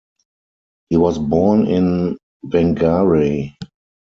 He was born in Whangarei.